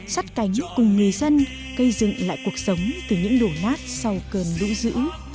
sát cánh cùng người dân cây dựng lại cuộc sống từ những đổ nát sau cơn đũ dữ